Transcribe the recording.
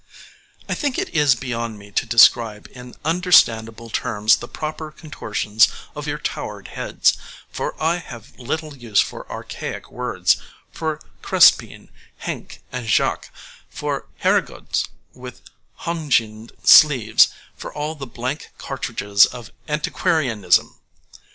I think it is beyond me to describe in understandable terms the proper contortions of your towered heads, for I have little use for archaic words, for crespine, henk, and jacque, for herygouds with honginde sleeves, for all the blank cartridges of antiquarianism.